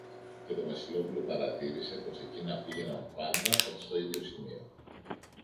και το Βασιλόπουλο παρατήρησε πως εκείνα πήγαιναν πάντα προς το ίδιο σημείο